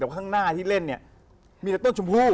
แต่ข้างหน้าที่เล่นเนี่ยมีแต่ต้นชมพู่